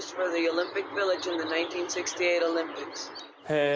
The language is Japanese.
へえ。